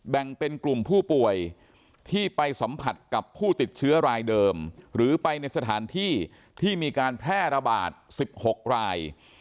แบ่งเป็นกลุ่มผู้ป่วยที่ไปสัมผัสกับผู้ติดเชื้อรายเดิมหรือไปในสถานที่ที่มีการแพร่ระบาด๑๖ราย